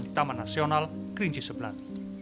di taman nasional kerinci sebelah